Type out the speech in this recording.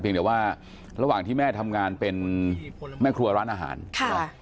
เดี๋ยวว่าระหว่างที่แม่ทำงานเป็นแม่ครัวร้านอาหารค่ะ